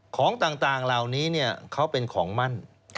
ของต่างเหล่านี้เขาเป็นของมั่น